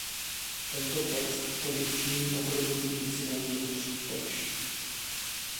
Tento text tedy učiní obdobným incidentům přítrž.